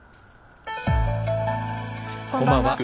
こんばんは。